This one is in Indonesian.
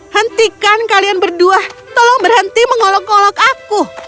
hentikan kalian berdua tolong berhenti mengolok ngolok aku